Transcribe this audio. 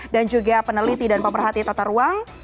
dan juga peneliti dan pemerhati tata ruang